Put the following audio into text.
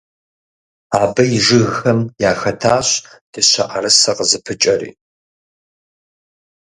Абы и жыгхэм яхэтащ дыщэӀэрысэ къызыпыкӀэри.